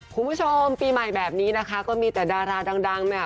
คุณผู้ชมปีใหม่แบบนี้นะคะก็มีแต่ดาราดังเนี่ย